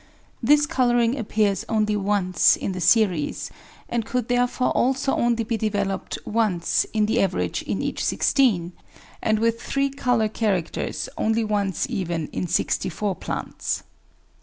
This colouring appears only once in the series, and could therefore also only be developed once in the average in each sixteen, and with three colour char acters only once even in sixty four plants.